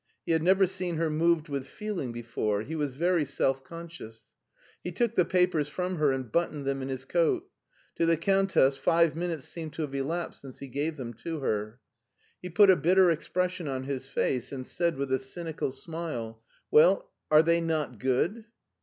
He had never seen her moved with feeling before. He was very self conscious. He took the papers from her and buttoned them in his coat. To the Countess five minutes seemed to have elapsed since he gave them to her. He put a bitter expression on his face and said with a cynical smile : Well, are they not good